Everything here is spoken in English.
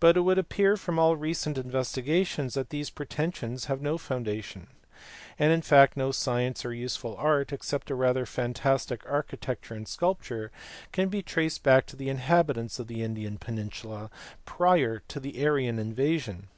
But it would appear from all recent investigations that these pretensions have no foundation; and in fact no science or useful art (except a rather fantastic architecture and sculpture) can be traced back to the inhabitants of the Indian peninsula prior to the Aryan invasion.